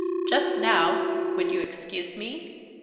Just now, would you excuse me?"